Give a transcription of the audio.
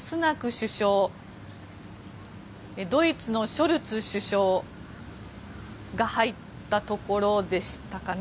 首相ドイツのショルツ首相が入ったところでしたかね。